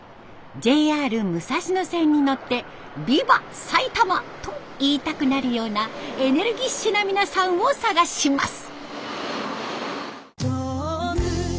ＪＲ武蔵野線に乗って「ビバ！埼玉」と言いたくなるようなエネルギッシュな皆さんを探します。